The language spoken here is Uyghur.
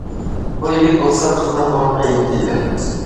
بۇ يىگىت بولسا، قىزنىڭ بۇرۇنقى يىگىتى ئىدى.